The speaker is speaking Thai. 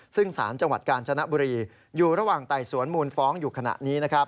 ซึ่งสารจังหวัดกาญจนบุรีอยู่ระหว่างไต่สวนมูลฟ้องอยู่ขณะนี้